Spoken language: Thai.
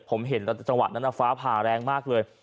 ผมเห็นตั้งแต่จังหวัดนั้นฟ้าผ่าแรงมากเลย